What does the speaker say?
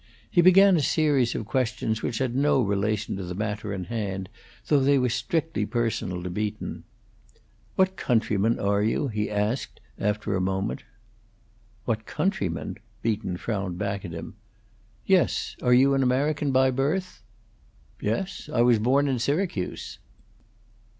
He began a series of questions which had no relation to the matter in hand, though they were strictly personal to Beaton. "What countryman are you?" he asked, after a moment. "What countryman?" Beaton frowned back at him. "Yes, are you an American by birth?" "Yes; I was born in Syracuse."